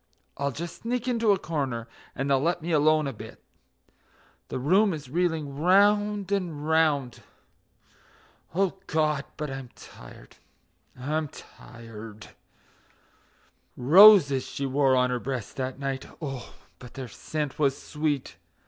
I'll just sneak into a corner and they'll let me alone a bit; The room is reeling round and round... O God! but I'm tired, I'm tired.... Roses she wore on her breast that night. Oh, but their scent was sweet!